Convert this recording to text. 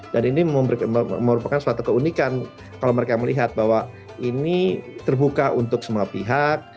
dan ini merupakan suatu keunikan kalau mereka melihat bahwa ini terbuka untuk semua pihak